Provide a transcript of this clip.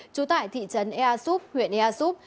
trú tại thị trấn ea súp huyện ea súp